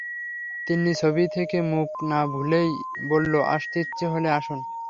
তিন্নি ছবি থেকে মুখ না-ভুলেই বলল, আসতে ইচ্ছে হলে আসুন।